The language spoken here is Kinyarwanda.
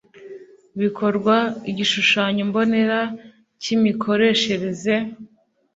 bikorwa igishushanyombonera cy imikoreshereze